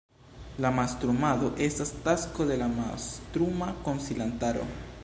La mastrumado estas tasko de la mastruma konsilantaro.